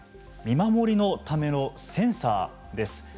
見守りのためのセンサーです。